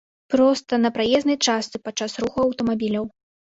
Проста на праезнай частцы, падчас руху аўтамабіляў.